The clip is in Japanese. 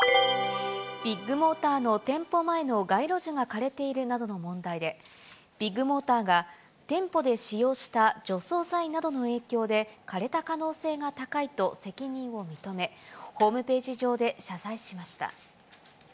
ビッグモーターの店舗前の街路樹が枯れているなどの問題で、ビッグモーターが店舗で使用した除草剤などの影響で枯れた可能性が高いと責任を認め、ホームページ上で謝罪しました。